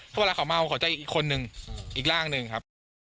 ถ้าเมาเขาเจอก็อิกคนนึงอีกร่างนึงครับ